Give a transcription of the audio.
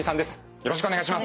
よろしくお願いします。